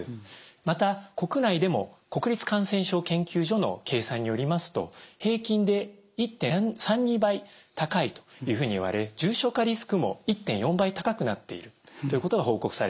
また国内でも国立感染症研究所の計算によりますと平均で１．３２倍高いというふうにいわれ重症化リスクも１．４倍高くなっているということが報告されています。